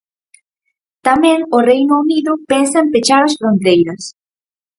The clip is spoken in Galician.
Tamén o Reino Unido pensa en pechar as fronteiras.